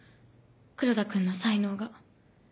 黒田君の才能が。